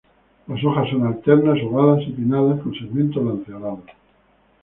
Las hojas son alternas, ovadas y pinnadas con segmentos lanceolados.